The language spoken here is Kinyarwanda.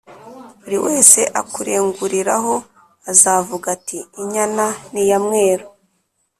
Buri wese akurenguriraho azavuga ati inyana ni iya mweru